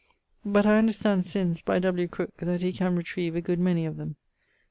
☞ But I understand since by W. Crooke, that he can retrive a good many of them.